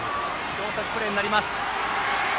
挟殺プレーになります。